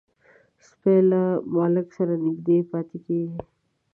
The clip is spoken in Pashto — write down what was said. سپي له مالک سره نږدې پاتې کېږي.